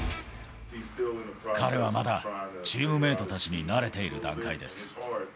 彼はまだチームメートたちに慣れている段階です。